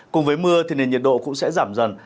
cùng với mưa thì nền nhiệt độ cũng sẽ giảm dần